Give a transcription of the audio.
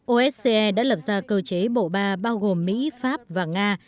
osce đã lập ra cơ chế bộ ba bao gồm mỹ pháp và nga